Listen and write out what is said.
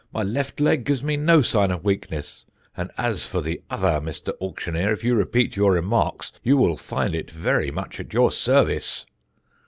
My left leg gives me no sign of weakness, and as for the other, Mr. Auctioneer, if you repeat your remarks you will find it very much at your service."